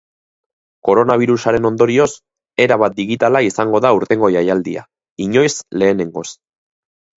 Koronabirusaren ondorioz, erabat digitala izan da aurtengo jaialdia, inoiz lehenengoz.